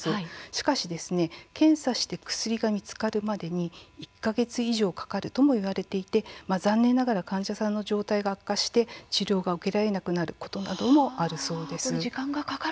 しかし、検査して薬が見つかるまでに１か月以上かかるともいわれていて残念ながら患者さんの状態が悪化して治療が受けられなくなることなどもあるそうです。